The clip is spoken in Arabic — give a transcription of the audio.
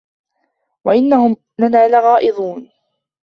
وَإِنَّهُم لَنا لَغائِظونَ